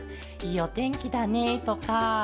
「いいおてんきだね」とか